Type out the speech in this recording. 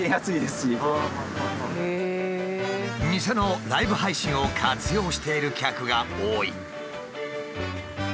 店のライブ配信を活用している客が多い。